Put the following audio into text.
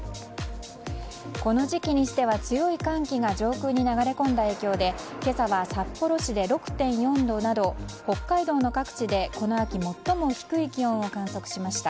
この時期にしては強い寒気が上空に流れ込んだ影響で今朝は札幌市で６．４度など北海道の各地でこの秋最も低い気温を観測しました。